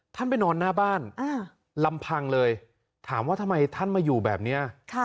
ไปนอนหน้าบ้านลำพังเลยถามว่าทำไมท่านมาอยู่แบบนี้